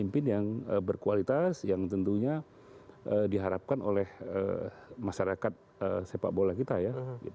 pemimpin yang berkualitas yang tentunya diharapkan oleh masyarakat sepak bola kita ya